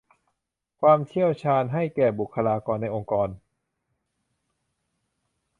ความเชี่ยวชาญให้แก่บุคลากรในองค์กร